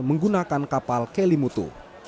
menggunakan kapal kelimutu